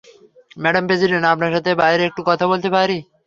Madam president, আপনার সাথে বাইরে একটু বলতে পারি?